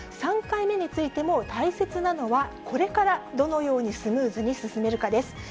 ３回目についても、大切なのはこれからどのようにスムーズに進めるかです。